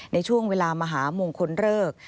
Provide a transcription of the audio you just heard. ในช่วงเวลามหามงคลเริก